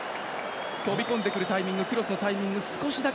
飛び込んでくるタイミングクロスのタイミング